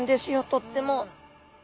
とっても。